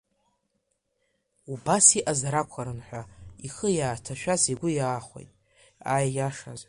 Убас иҟазар акәхарын ҳәа ихы иааҭашәаз игәы иаахәеит, аиашаз.